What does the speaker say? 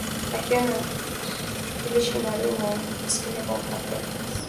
akiwa na mwakilishi maalum wa umoja wa umasikini Volker Perthes